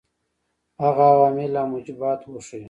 هغه عوامل او موجبات وښيیو.